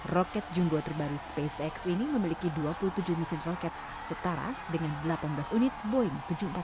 roket jumbo terbaru spacex ini memiliki dua puluh tujuh mesin roket setara dengan delapan belas unit boeing tujuh ratus empat puluh lima